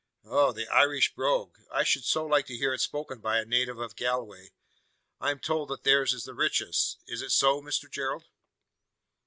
"Oh! the Irish brogue. I should so like to hear it spoken by a native of Galway. I am told that theirs is the richest. Is it so, Mr Gerald?"